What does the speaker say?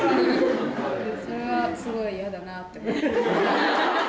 それはすごい嫌だなって思います。